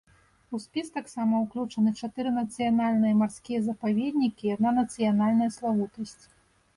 У спіс таксама ўключаны чатыры нацыянальныя марскія запаведнікі і адна нацыянальная славутасць.